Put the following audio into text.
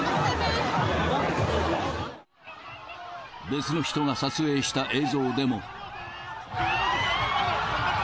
別の人が撮影した映像でも。